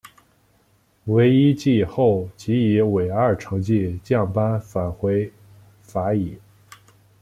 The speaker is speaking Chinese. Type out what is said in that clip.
惟一季后即以尾二成绩降班返回法乙。